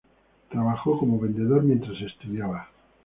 Trabajó como vendedor mientras estudiaba.